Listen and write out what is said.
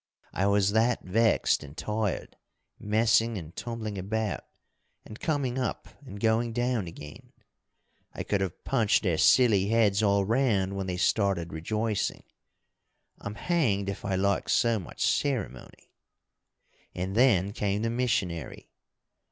I was that vexed and tired, messing and tumbling about, and coming up and going down again, I could have punched their silly heads all round when they started rejoicing. I'm hanged if I like so much ceremony. "And then came the missionary.